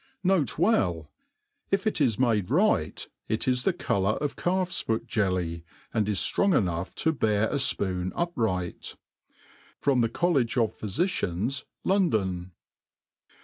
, N. B. If it is niade.righty it is the colour of calfs foot jelly, and is ftrong enough to bear a fpoon uj^right. From the College of Phyfici^ns, London.